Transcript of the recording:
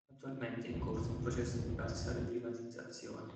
Attualmente è in corso un processo di parziale privatizzazione.